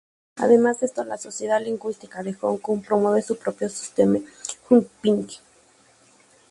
Además de esto, la Sociedad Lingüística de Hong Kong promueve su propio sistema Jyutping.